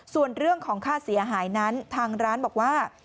ส่วนเรื่องของค่าเสียหายนั้นทางร้านบอกว่า